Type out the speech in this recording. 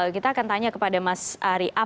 kita akan tanya kepada mas ari